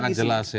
sangat jelas ya